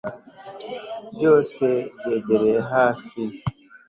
byose byegereye hafi